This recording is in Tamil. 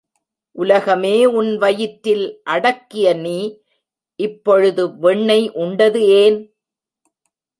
உலகமே உன் வயிற்றில் அடக்கிய நீ இப்பொழுது வெண்ணெய் உண்டது ஏன்?